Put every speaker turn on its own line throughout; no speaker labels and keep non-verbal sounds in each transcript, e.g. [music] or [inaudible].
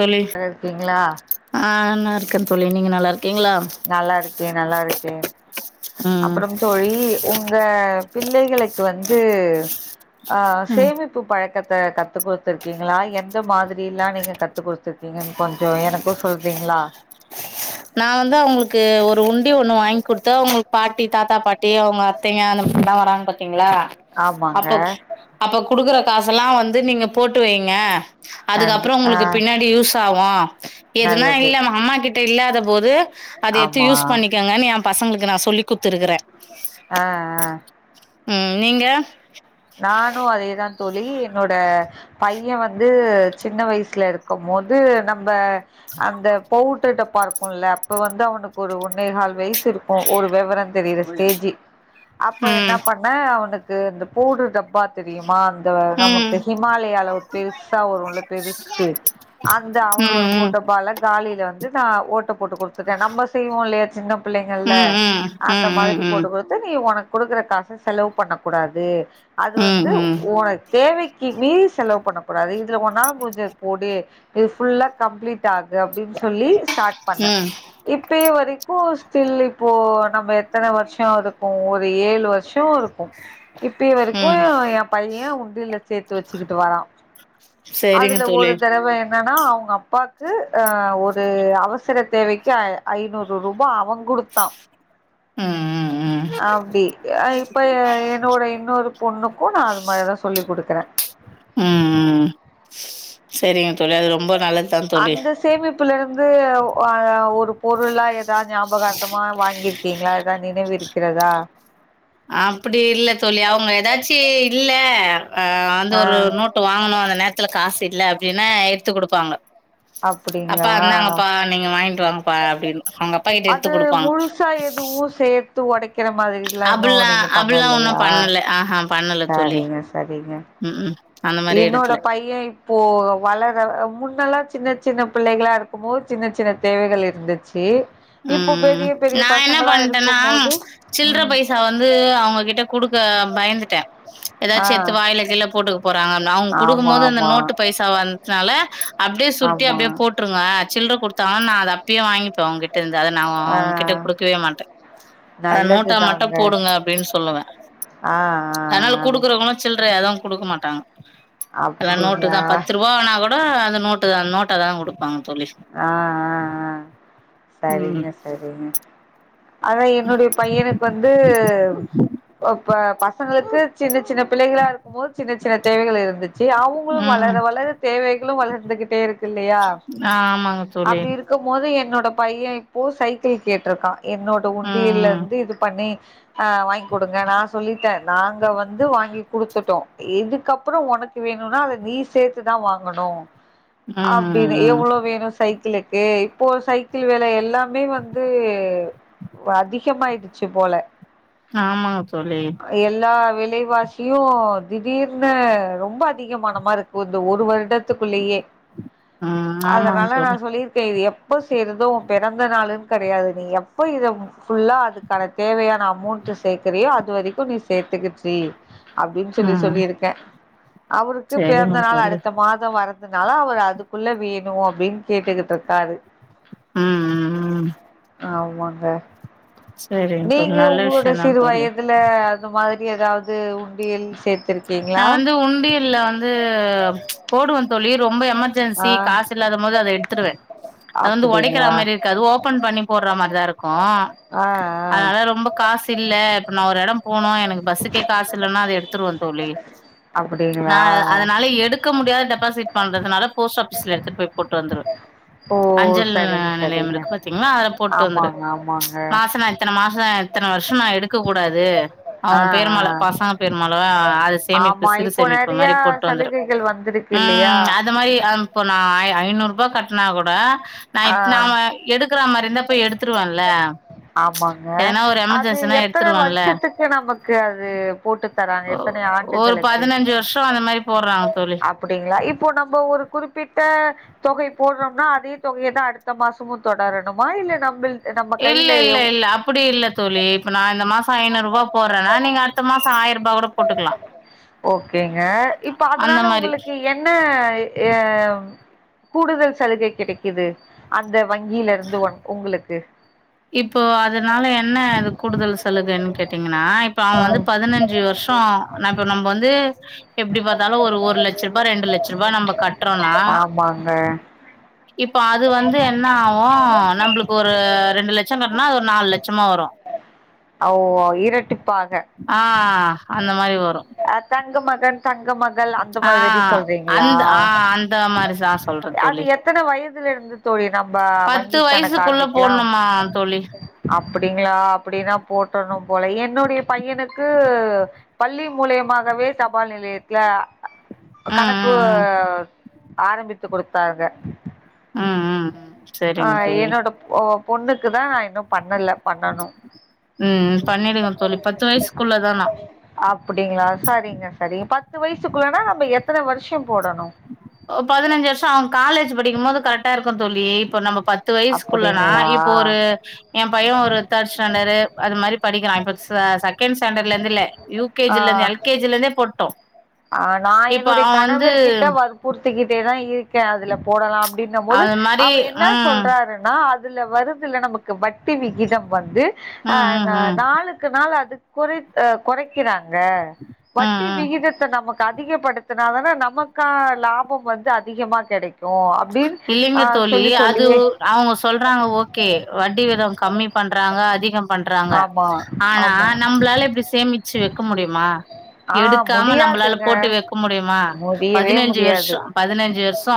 தோழி
இருக்கீங்களா
ஆஹ் ன்னா இருக்க தோழி நீங்க நல்லா இருக்கீங்களா
நல்லா இருக்கேன் நல்லா இருக்கேன்
ம்
அப்புறம் தோழி உங்க பிள்ளைகளுக்கு வந்து ஆஹ்
ம்
சேமிப்பு பழக் கத்த குடுத்துருக்கீங்களா எந்த மாதிரில்லாம் நீங்க கத்து கொடுடுத்துருக்கீங்க கொஞ்சம் எனக்கும் சொல்றீங்களா
நான் வந்து அவுங்களுக்கு ஒரு உண் டி ஒண்ணு வாங்கி குடுத்து அவுங்க பாட்டி தாத்தா பாட்டி அவுங்க அத்தைங்க அந்த மாரி லான் வராங்க பாத்தீங்ளா
ஆமாங்க
அப்ப அப்ப குடுக்கற காசல்லாம் வந்து நீங்க போட்டு வைங்க
நன்று
அதுக்கப்புறம்
ஆ
உங்களுக்கு பின்னாடி யூஸ் சாவும் எதுனா
நல்லது
இல்லாம அம்மா கிட்ட இல்லாத போது அதை எடுத்து
ஆமா
யூஸ் பண்ணிக்கங்க பசங்களுக்கு நான் சொல்லி குத்துருக்கறேன்
ஆஹ் ஆஹ்
ம் நீங்க
நானும் அதேதான் தோழி என்னோட பையன் வந்து சின்ன வயசுல இருக்கும் போது நம்ம அந்த பவு டர் டப்பாருக்கும்ல அப்ப வந்து அவனுக்கு ஒரு ஓன்னெகால் வய் இருக்கும் ஒரு விவரம் தெரியிற ஸ்டேஜி அப்ப என்ன
ம்
பண்ண அவனுக்கு [unintelligible] போடு டப்பா தெரியுமா இந்த
ம்
நமக்கு ஹிமாலயால ஒரு பெருசா ஒருல பெருசு அந்த
ம்
அவனோட
ம்
போட்டபால காலியில வந்து தான் போட்டு கொடுத்துட்டேன் நம்ம செய்வோம் இல்லையா சின்னப் பிள்ளைங்களல்ல
ம் ம் ம்
அந்த
ம்
மாதிரி
ம்
போட்டு கொடுத்து நீ உனக்கு குடுக்குற காசை செலவு பண்ணக்கூடாது அது
ம்
வந்து
ம்
உனக்கு தேவைக்கு மீறி செலவு பண்ணக்கூடாது இதுல ஒன்னாலமுடிஞ்ச போடு இது புல்லா கம்ப்ளீட் டாகுஅப்படின்னு சொல்லி ஸ்டார்ட் பண்ணன்
ம்,
இப்ப வரைக்கும் தில்ள்ளிப்போர் நம்ம எத்தனை வருஷம் இருக்கும் ஒரு ஏழு வருஷம் இருக்கும் இப் வரைக்கும்
ம்.
என் பையன் உண்டில சேர்த்து வச்சுக்கிட்டு வரான்
சரிங்க
அதுல
தோழி.
ஒரு தடவை என் என்னன்னா அவங்க அப்பாக்கு அஹ் ஒரு அவசர தேவைக்கு ஐநூறு ரூபாய் அவங்குடுத்தான்
ம், ம், ம்.
அப்டி இப்ப என்னோட இன்னொரு பொண்ணுக்கும் நான் அது மாதிரிதான் சொல்லி் கொடுக்குறேன்
ம், ம். [inaudible] சரிங்க தொளி அது ரொம்ப நல்லதுதான் தொளி
அந்த சேமிப்புல இருந்து ஒரு பொருளா ஏான் ஞாபகர்த்தமா வாங்கியிருக்கீங்களா ஏதா நினைவு இருக்கிறதா
அப்படி இல்ல தொள்ளி அவங்க ஏதாச்சும் இல்ல ஆஹ வந்து
ஆ
ஒரு நோட்டு வாங்கணும் அந்த நேர இத்துல காசு இல்ல அப்படின்னா எடுத்து கொடுப்பாங்க
அப்படிங்களா
வாங்கிட்டு வாங்கப்பா" அப்படின்னு. அவங்க அப்பா கிட்ட எடுத்து
அது
குடுப்பாங்க.
முழுசா எதுவும் சேர்த்து உடைக்கிற மாதிரல்லாம்
அப்படல்லாம் அப்படல்லாம் ஒன்னும் பண்ணல ஆஹா பண்ணல தொழி
சரிங்க சரிங்க
உம் உம்
என்னோட பையன் இப்போ வளர முன்னெல்லாம் சின்ன சின்ன பிள்ளைகளாக இருக்கும் போது சின்ன சின்ன தேவைகள் இருந்துச்சு இப்போ
உம்
பெரிய பெரிய
நான் என்ன
பசங்களா
பண்ணட்டேன்னா
இருக்கும் போது
சில்ற
ம்
பைசா வந்து அவங்ககிட்ட கொடுக்க பயந்துட்டேன்
ஆ
ஏதாச்செத்து வாயில கீள்ள போட்டுக்க போறாங்க அவங்க கொடுக்கும்
ஆமா
போது அந்த
ஆமா
நோட்டு பைசா வந்து நால அப்படியே சுருட்டி
ஆமா
அப்படியே போட்டுருங்க சில்லற கொடுத்து நான் அத அப்பயே வாங்கிப்பே உங்கிட்ட இரு அதை நான்
ஆ
அவங்ககிட்ட கொடுக்கவே மாட்டேன் அத நோட்டா
நல்லதுதாங்க
மட்டும் போடுங்க அப்படின்னு சொல்லுவேன்
ஆ ஆ
அதனால
ஆ
கொடுக்கறவங்களும் ச எதுவும் கொடுக்க மாட்டாங்க எல்லாம் நோட்டு
அப்டிங்களா
தான் பத்து ரூபானா கூட அந்த நோட்டு நோட்ட தான் கொடுப்பாங்க
ஆஹ் ஆஹ் ஆஹ்
ம்.
சரிங்க சரிங்க அதான் என்னுடைய பையனுக்கு வந்துப்பச பசங்களுக்கு சின்ன சின்ன பிள்ளைகளா இருக்கும் போது சின்ன சின்ன தேவைகள் இருந்துச்சு ச அவங்களும் வளர
ம்.
வளர தேவை வளர்ந்துகிட்டே இருக்கு இல்லையா
ஆமாங்க தோழி.
அப்படி இருக்கும் போது என்னோட பைய இப்போ சக்கிள் கேட்டிருக்கான் என்னோட
ம்.
உண்டியிலருந்து இது பண்ணி ஹா வாங்கி் கொடுங்க நா சொல்லிட்டேன் நாங்க வந்து வாங்கி குடுத்துட்டோம் எதுக்கப்பறம் உனக்கு வேணும்னா அதை நீ சேர்த்துதான் வாங்கணும்
ம்.
அப்டினு
ம்.
எவ்ளோ வே சைக்கிளுக்கு இப்போ சைக்கிள் வேல எல்லா மே வந்து அதிகமாயிடுச்சு போல
ஆமா தோழி
எல்லா விலைவாசியு திடீர்னு ரொம்ப அதிகமான மாருக்கு இந்த ஒரு வருடத் துக்குள்ளயே
ம்
அத
ஆமாங்க
நா
தோழி
சொல்லியிருக்கே இத எப்ப செய்றது உ பெறந்த நாளுன் கெடையாது நீ எப்ப இத ஃபுல்லா அதுக்கான தேவயான அமௌண்ட் சேக்குறியோ அது வரைக்கு நீ சேத்துக்குட்ரி அப்டின் சொல்லி
ம்
சொல்லிருக்கே அவுருக்கு பிறந்த
சரிங்க
நாள்
தோழி
அடுத்த மாதம் வர அதுனால அவர் அதுக்குள்ள வேணு அ ப்டின் கேட்டுகிட்ருக்காரு
ம் ம் ம்
உம் ஆமாங்க
சரிங்க தோழி
நீங்க
நல்ல
உங்களோட
விஷயந்தா
சிறு
தோழி
வயதுல அது மா ரி‌ எதாவ்து உண்டியல் சே
நா வந்து உண்டியல்ல வந்து போடுவ தோழி ரொம்ப எமர்ஜென்சி
ஆ
காசு இல்லாத மோது அத எடுத்துருவே அது வந்து ஒடைக்கிற
அப்டிங்களா
மாரி இருக்காது ஓபன் பண்ணி போடுற மாரிதா இருக்கு
ஆ ஆ
அனால ரொம்ப க காசில்ல இப்ப நா ஒரு எடம் போனு எனக்கு பஸ்ஸுக்கே காசுல்லனா அத எடுத்துருவே தோழி நா
அப்டிங்களா
அதனால எடுக்க முடியாத‌டப் பாசிட் பண்றதுனால போஸ்ட் ஆஃபீஸ்ல எடுத்துட்டு போய் போட்டு வந்துருவ
ஓ
அஞ்சல்
சரிங்க
நிலையம்
சரிங்க
இருக்கு பாத்தீங்கலா அதுல போட்டு வந்துருவே
ஆமாங்க ஆமாங்க
மாச நா இத்தன மாச இத்தன வருஷ நா எடுக்க கூடாது
ஆ
அவுங்க
ஆ
பேருமல பசங்க பேருமல தா அது சேமிப்பு
ஆமா
சிறு
இப்போ
சேமிப்பு
நெறையா
மாரி போட்டு வந்துரு
சலுகைகள் வந்திருக்கு
ஆ
இல்லையா
அது மாரி இப்ப நா ஐ ஐநூறுபா கட்னா கூட நா
ஆ
இப் நாம எடுக்குற மா
ஆமாங்க
எதனா ஒரு
அது
எமர்ஜென்சினா
எத்தன
எடுத்துருவேன்ல
வருஷத்துக்கு நமக்கு அது போட்டு தராங்க
ஒரு பதினஞ்சு வருஷொ அந்த மாரி போடுறாங்க தோழி
அப்படிங்களா இப்போ நம்ம ஒரு குறிப்பிட்ட தொகை போடுறோம்னா அதே தொகையை தான் அடுத்த மாசமும் தொடரணுமா இல்ல நம்ம
இல்ல
கையில
இல்ல
எவ்
இல்ல அப்படி இல்ல தோழி இப்ப நான் இந்த மாசம் ஐநூறு ரூபா போறேன்னா நீங்க அடுத்த மாசம் ஆயிரம் ரூபா கூட போட்டுக்கலாம்
ஓகேங்க இப்ப அதனால உங்களுக்கு என்ன எ கூடுதல் சலுகை கிடைக்குது அந்த வங்கியில இருந்து ஒ உங்களுக்கு
இப்போ அதனால என்ன இது கூடுதல் சலுகை [unintelligible] னா இப்ப அவன்
ஆ
வந்து பதினஞ்சு வருஷம் ந இப்ப வந்து எப்படி பார்த்தாலும் ஒரு ஒரு லட்ச ரூபா ரெண்டு லட்சம் ரூபா நம்ம கட்ட
ஆமாங்க
இப்போ அது வந்து என்ன ஆகும் நம்மளுக்கு ஒரு ரெண்டு லட்சம் கட்டனா அது ஒரு நாலு லட்சமா வரும்
ஓ இரட்டிப்பாக
ஆ அந்த மாரி வரும்
அ தங்க மகன் தங்க மகள் அந்த
ஆ
மாதிர சொல்றீங்களா
அந்த ஆ அந்த மாரி தான்
அது எத்தனை வயதுல இருந்து தொழி
பத்து வயசுக்குள்ள போடணுமா தொழி
ப்டிங்களா அப்படின்னா போட்டர்ணும் போலயே என்னுடைய பையனுக்கு பள்ளி மூலியமாகவே சபால் நிலையத்துல
ம்,
கணக்கு
ம், ம்.
ஆரம்பித்து கொடுத்தாங்க
ம், ம், ம். சரிங்க
ஆஹ் என்னோட ஓ பொண்ணுக்கு தான் இன்னும் பண்ணல பண்ணணும்
உம் பண்ணிடுங்க தோழி பத்து வயசுக்குள்ளதானா
ங்கள சரிங்க சரிங்க பத்து வயசுக்குள்ளனா நம்ம எத்தனை வருஷம் போடணும்
கும் தோழி இப்ப நம்ம பத்து வயசுக்குள்ளனா
அப்படிங்களா
இப்போ ஒரு என் பையன் ஒரு தேர்ட் ஸ்டாண்டர்டு அது மாதிரி படிக்கிறான் செகண்ட் ஸ்டாண்டல இருந்து இல்ல யூ கே
ஆ
ஜில இருந்து எல் கே ஜில இருந்தே போட்டோ
ஆ நா என்னுடைய கணவர் கிட்ட வரு பூர்த்திக்கிட்டே தா இருக்கே அதுல போடலா அப்டின்ன போது
அது மாரி
அவர் என்ன
ம்
சொல்றாருன்னா அது அதுல வருதுல நமக்கு வட்டி விகிதம் வந்து ஆ
ம் ம்
நா
ம்
நாளுக்கு நாள் அதுக் குரி கொறைக்கீர ங்க
ம்
வட்டி
ம்
விகிதத் நமக்கு அதிகப்படுத்தினா தான நமக்கான லாபம் வந்து அதிகமா கெடைக்கு
இல்லைங்க தோலி அது
சொல்லியே
அவுங்க சொல்றாங்க ஓகே வட்டி வித கம்மி பண்றாங்க அதிகம் பண்றாங்க
ஆமா
ஆனா
ஆமா
நம்பளால இப்டி சேமிச்சு வெக்க முடியுமா
ஆ
எடுக்காம நம்ப லால
முடியாதுங்க
போட்டு வெக்க முடியுமா
முடியவே
பதினஞ்சி
முடியாது
வருஷோ பதினஞ்சி வருஷோ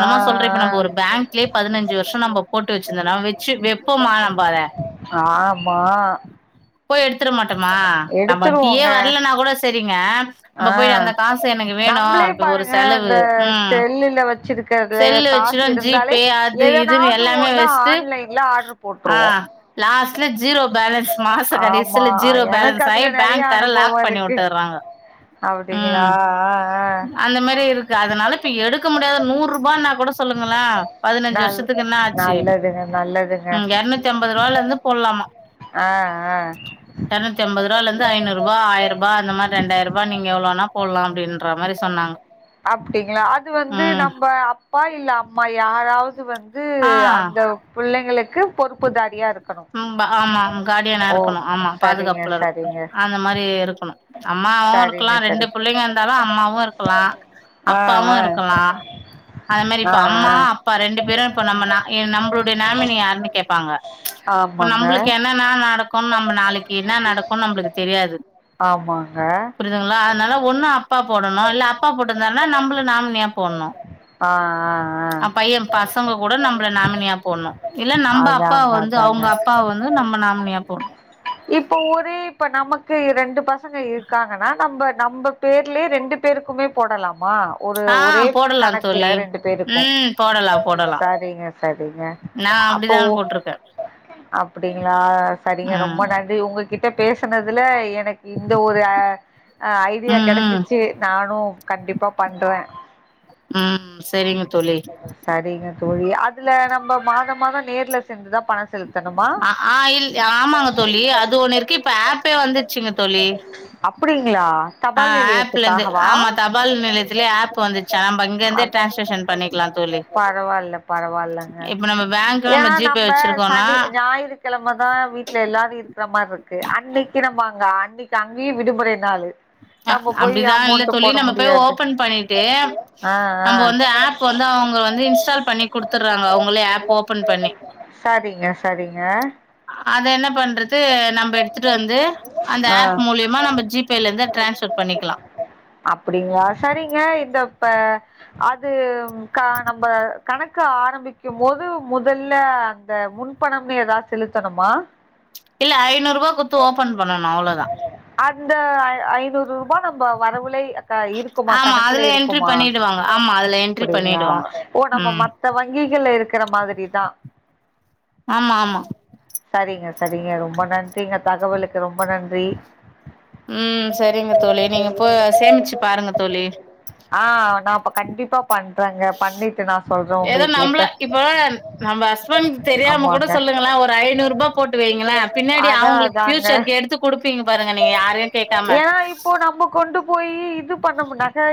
ஆ
சொல்றே இப்ப நம்ப
ஆ
ஒரு பேங்க்லயே பதினஞ்சு வருஷோ நம்ப போட்டு வெச்சிந்தோனா வெச்சி வெப்போமா நம்ப அத
ஆ
போய் எடுத்துட மாட்டோமா நா வட்டியே வரலனா கூட செரி ங்க நம்ப
ஆ
போயி அந்த காச எனக்கு வேணு
நம்பளே
அப்ப ஒரு
பாருங்க
செலவு
அந்த
ம்
செல்லுல வச்சிருக்கறதுல
செல்ல வெச்சு
காசு இருந்தாலே
ஜிபே அது இதுனு
எதனாவது
எல்லாமே
ஒண்ணு
வெச்டு
ஆன்லைன்ல ஆர்டர்
ஆ
போட்ருவோ
லாஸ்ட்ல ஜீரோ பேலன்ஸ் மாச
ஆமா
கடைசில ஜீரோ
எனக்கு
பேலன்ஸ் ஆயி
அதுல நெறைய
பேங்க் கார
அனுபவோ
லாக் பண்ணி
இருக்கு
உட்டுர்றாங்கோ
அப்டிங்களா ஆ ஆ
அந்த மாரி இருக்கு அதனால இப்ப எடுக்க முடியாத நூறு ரூபனா கூட சொல்லுங்களே பதினஞ்சு
நல்
வருஷத்துக்கு நா ஆச்சி
நல்லதுங்க நல்லதுங்க
ம் எற்நூத்தி அம்பது ரூபால இருந்து போட்லாமா
ஆ ஆ
எற்நூத்திஐம்பது ரூபால இருந்து ஐநூறு ரூபா ஆயிரூபா அந்த மாரி ரெண்டாயிரூபா நீங்க எவ்ளோனா போட்லா அப்டினு
அப்டிங்களா அது வந்து
ம்
நம்ப அப்பா இல்ல அம்மா மா யாராவது வந்து
ஆ
அந்த புள்ளைங்களுக் க்கு பொறுப்புதாரியா இருக்
ஆமா காடியனா இருக்கணு ஆமா
சரிங்க
பாதுகாப்புல இருக்கணு
சரிங்க
அந்த மாரி இருக்கணு அம்மா அம்மாவு
சரிங்க
இருக்கலா ரெண்டு
சரி
புள்ளைங்க இருந்தாலு அம்மாவு இருக்கலா
ஆ
அப்பாவு
ஆ
இருக்கலா அது மாரி
ஆ
இப்ப அம்மா
ஆ
அப்பா ரெண்டு பேரு இப்ப நம்ம நம்பளுடைய நாமினி யாருன்னு கேப்பாங்க இப்ப
ஆமாங்க
நம்பளுக்கு என்னனா நாளைக்கு என்ன நடக்குனு நம்பளுக்கு தெரியாது
ஆமாங்க
புரியதுங்களா அதனால ஒண்ணு அப்பா போடணு இல்ல அப்பா போட்டிருந்தாலு நம்மள நாம ஏ போணும்
ஆஹ் ஆஹ்
பைய பசங்க கூட நம்மள நாமினியா போன்னு இல்ல நம்ப அப்பா
அதாங்க
வந்து அவுங்க அப்பா வந்து நம்ம நாமினியா போனு
இப்ப ஒரே இப்ப நமக் கு ரெண்டு பசங்க இருக்காங்கனா நம்ப நம்ப பேர்லயே ரெண்டு பேருக்குமே போடலாம் மா ஒரு
ஆ
ஒரே
போடலா
கணக்குல
தோழி
ரெண்டு பேருக்கு
ம் போடலா போடலா
சரிங்க சரிங்க
நா
அப்பொ
அப்படிதா போட்டிருக்கே
அப் புடிங்களா சரிங்க ரொம் ப
ம்
நன்றி உங்க கிட்ட பேசுனதுல எ னக்கு இந்த ஒரு அ ஐடியா
ம் ம்
கெடச்சிச்சு நானு கண்டிப்பா பண்றே
ம் சரிங்க தோழி
சரிங்க தோழி அதுல நம்ம மாத மாதம் நேர்ல சென்றுதா பண செலுத்
அ ஆ இல் ஆமாங்க தோழி அது ஒண்ணு இருக்கு இப்ப ஆப்பே வந்துருச்சுங்க தோழி
அப்டிங்களா
ஆ
தபால்
ஆப்லெந்து
நிலையத்துக்காகவா
ஆமா தபால் நிலையத்திலயே ஆப் வந்துருச்சா நம்ப இங்க இருந்தே
அப்
டிரான்ஸாக்ஷன்
பரவால்ல பரவால்லங்க
இப்ப நம்ம பேங்க்ல நம்ம
ஏனா
ஜி பே
நம்ப
வச்சிருக்கோனா
சனி ஞாயிறுக்கெழமதா வீட்ல எல்லாரு‌ இருக்குற மாருக்கு அன்னைக்கு நம்ம அங்க ஆன் இன்னைக்கி அங்கெயு விடுமுறை நாலு
அப்டிலா இல்ல தோழி நம்ம போய்
முடியாது
ஓபன் பண்ணிட்டு
ஆ
நம்ம
ஆ
வந்து ஆப் வந்து அவுங்க வந்து இன்ஸ்டால் பண்ணி குடுத்துறாங்க அவுங்களே ஆப் ஓபன் பண்ணி
சரிங்க சரிங்க
அத என்ன பண்றது நம்ப எடுத்துட்டு வந்து அந்த ஆப் மூலியமா நம்ம ஜி பேலந்து
அப்புடிங்ளா சரிங்க இந்த ப்ப அ து கா நம்ப கணக்கு ஆரம்பிக்கும் போது முதல்ல அந்த முன்பணம்னு எதா செலுத்தணுமா
இல்ல ஐநூறுபா குத்து ஓபன் பண்ணனு அவ்ளோதா
அந்த ஐநூ ரூபா நம்ம வரவுலை க இருக்குமா
ஆமா
கணக்குல
அதுல என்ட்ரி
இருக்குமா
பண்ணிடுவாங்க ஆமா அதுல என்ட்ரி
அப்புடிங்களா
பண்ணிடுவாங்க
ஓ நம்ம
ம்
மத்த வங்கிகள்ல இருக்கிற மாதிரிதா
ஆமா ஆமா
சரிங்க சரிங்க ரொம்ப நன்றிங்க தகவலுக்கு ரொம்ப நன்றி
ம் சரிங்க தோழி நீங்க போ சேமிச்சு பாருங்க தோழி
ஆ நா அப்ப கண்டிப்பா பண்றேங்க பண்ணிட்டு நா சொல்றே
ஏதோ நம்மள
உங்கள்கிட்ட
இப்ப நம்ம ஹஸ்பண்கு தெரியாம கூட
ஆமாங்க
சொல்லுங்களா ஒரு ஐநூறு ரூபாய் போட்டு வைங்கள பின்னாடி அவங்களுக்கு பியூச்சர்கு எடுத்து குடுப்பீங்க பாருங்க நீங்க யாரையு கேட்காம
ஏனா இப்போ நம்ம கொண்டு போய் இது பண்ண நகை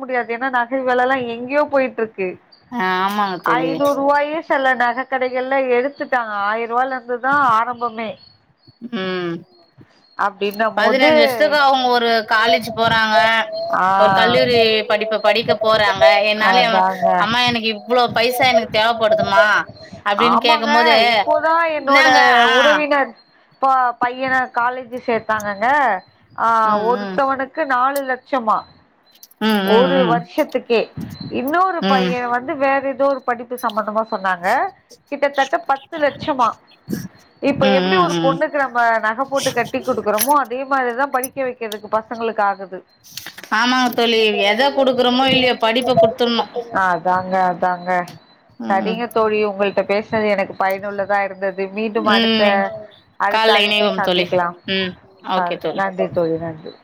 முடியாது ஏனா நசை வில எல்லாம் எங்யோ போயிட் இருக்கு
ஆ ஆமாங்க தோழி
ஐநூறு ரூவாயே செல்ல நாக கடைகள்ல எடுத்துட்டாங்க ஆயிரம் ரூபாயல இருந்து தா ஆரம்பமே
உம்
அப்படின்னும் போது
பதினஞ்சு வருஷத்துக்கு அவங்க ஒரு காலேஜ் கு போறாங்க ஒரு
ஆஹ்
கல்லூரி படிப்பு படிக்க போறாங்க என் னாலே
அதாங்க
அம்மா எனக்கு இவ்வளோ பைசா எனக்கு தேவைப்படுதுமா அப்படின்னு
ஆமாங்க
கேக்கும் போது இந்தாங்க ஹ
இப்ப பையன காலேஜி சேத்தாங்கங்கக ஆஹ
ம் ம்
ஒருத்தவனுக்கு நாலு லட்ச கஸ்டமா
ம் ம்
ஒரு வருஷத்துக்கே இன்னொரு
ம் ம்
பையன் வந்து வேற ஏதோ ஒரு படிப்பு சம்பந்தமா சொன்னாங்க கிட்டத்தட்ட பத்து லட்ச மா இப்ப
ம்
எப்படி
ம்
ஒரு
ம்
பொண்ணுக்கு நம்ம நகை போட்டு கட்டி கொடுக்குறோமோ அதே மாதிரிதா படி படிக்க வைக்கிறதுக்கு பசங்களுக்குக்ககுது
ஆம்மா சொல்லி எத கொடுக்குறோமோ இல்லையோ படிப்ப குடுத்துடணும்
அதாங்க அதாங்க
உம்
இப்ப பேசினது எனக்கு பயனுள்ளதா இருந்தது மீண்டும் அடுத்த
ம்
அடுத்த
கால்ல
அழைப்பு ல
இணைவோம் தோழி
சந்திக்கலாம்
ம்
ச
ஓகே தோழி
நன்றி தோழி நன்றி